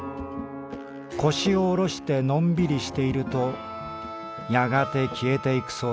腰を下ろしてのんびりしているとやがて消えていくそうだ」。